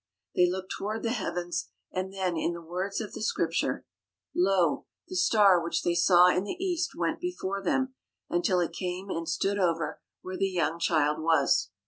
They looked toward the heavens, and then, in the words of the Scripture: Lo, the star which they saw in the East went before them, until it came and stood over where the young child was.